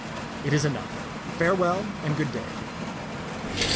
It is enough. Farewell, and good day."